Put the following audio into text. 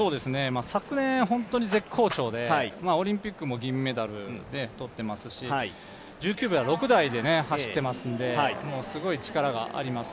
昨年、本当に絶好調でオリンピックも銀メダルとっていますし、１９秒６台で走っていますので、すごい力があります。